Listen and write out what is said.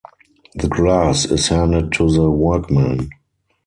The glass is handed to the workman.